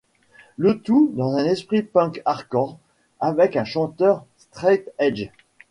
Le tout dans un esprit punk hardcore, avec un chanteur straight-edge.